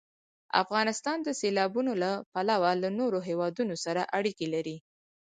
افغانستان د سیلابونه له پلوه له نورو هېوادونو سره اړیکې لري.